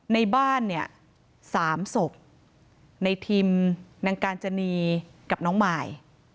ในบ้านเนี่ย๓ศพในทิมนางกาญจนีกับน้องมาย